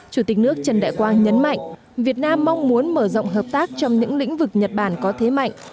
chủ tịch nước trần đại quang nhấn mạnh việt nam mong muốn mở rộng hợp tác trong những lĩnh vực nhật bản có thế mạnh